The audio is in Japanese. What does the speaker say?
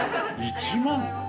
１万。